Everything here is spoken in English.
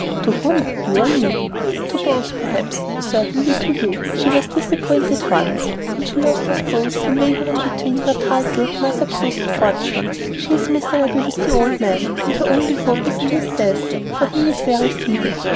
"To whom, you or me?" "To both, perhaps, certainly to you. She was disappointed once when she lost us both by wavering between your title and my supposed fortune. She is miserable with the old man, and her only hope is in his death, for he is very feeble.